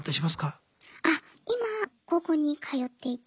あっ今高校に通っていて。